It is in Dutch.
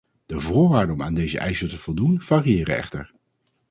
De voorwaarden om aan deze eisen te voldoen variëren echter.